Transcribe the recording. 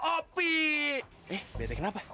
opi eh bete kenapa